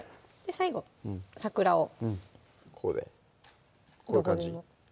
最後桜をここでこういう感じ？